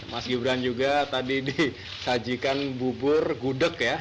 mas gibran juga tadi disajikan bubur gudeg ya